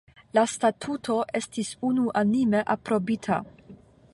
La statuto estis unuanime aprobita.